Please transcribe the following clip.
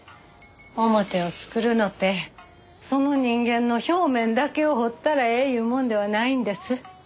面を作るのってその人間の表面だけを彫ったらええいうもんではないんです。